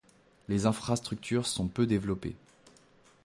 Les infrastructures sont peu développées.